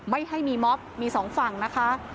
ไม่ให้มีม็อบมีสองฝั่งนะคะ